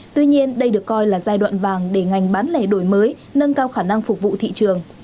tuy nhiên đây được coi là giai đoạn vàng để ngành bán lẻ đổi mới nâng cao khả năng phục vụ thị trường